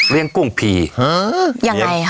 เลี้ยงกุ้งผียังไงค่ะ